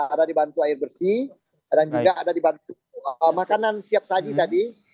ada dibantu air bersih dan juga ada dibantu makanan siap saji tadi